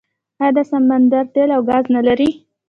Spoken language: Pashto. آیا دا سمندر تیل او ګاز نلري؟